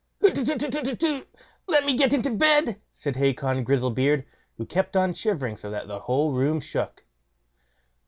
"Hutetutetutetu! let me get into bed", said Hacon Grizzlebeard, who kept on shivering so that the whole room shook.